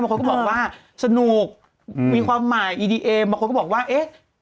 บางคนก็บอกว่าสนุกมีความหมายอีดีเอมบางคนก็บอกว่าเอ๊ะ